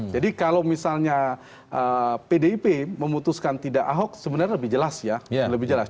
jadi kalau misalnya pdip memutuskan tidak ahok sebenarnya lebih jelas ya